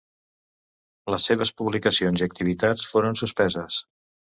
Les seves publicacions i activitats foren suspeses.